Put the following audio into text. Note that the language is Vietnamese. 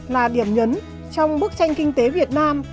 là điểm nhấn trong bức tranh kinh tế việt nam